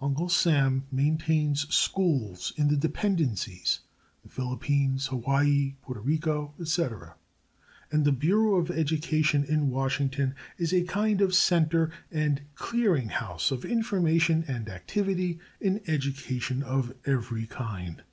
Uncle Sam maintains schools in the dependencies the Philippines, Hawaii, Porto Rico, etc.; and the Bureau of Education in Washington is a kind of center and clearing house of information and activity in education of every kind.